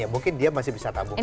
mungkin dia masih bisa tabung